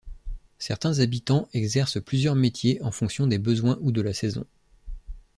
Certains habitants exercent plusieurs métiers en fonction des besoins ou de la saison.